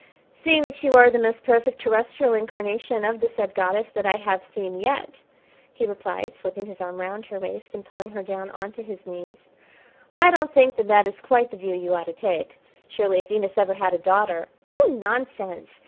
"Seeing that you are the most perfect terrestrial incarnation of the said goddess that I have seen yet," he replied, slipping his arm round her waist and pulling her down on to his knees, "I don't think that that is quite the view you ought to take. Surely if Venus ever had a daughter " "Oh, nonsense!